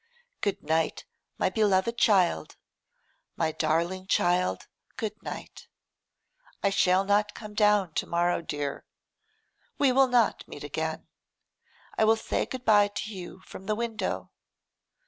Good night, my beloved child; my darling child, good night. I shall not come down to morrow, dear. We will not meet again; I will say good bye to you from the window.